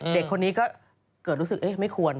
เด็กคนนี้ก็เกิดรู้สึกไม่ควร